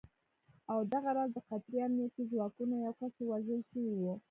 او دغه راز د قطري امنیتي ځواکونو یو کس وژل شوی و